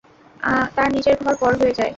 তার নিজের ঘর পর হয়ে যায়।